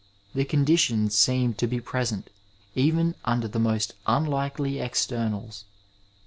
The conditions seem to be {oesent even under the most unlikely externals.